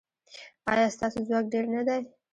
ایا ستاسو ځواک ډیر نه دی؟